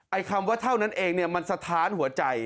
คำว่าเท่านั้นเองเนี่ยมันสะท้านหัวใจ